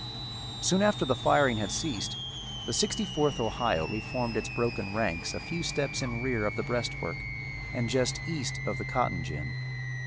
Soon after the firing had ceased the Sixty fourth Ohio reformed its broken ranks a few steps in rear of the breastwork and just east of the cotton gin.